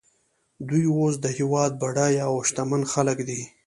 دوی اوس د هېواد بډایه او شتمن خلک دي